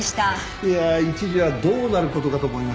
いやあ一時はどうなる事かと思いましたよ。